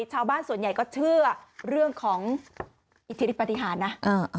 ชาวบ้านส่วนใหญ่ก็เชื่อเรื่องของอิทธิฤทธปฏิหารนะ